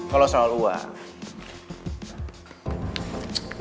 kalau soal uang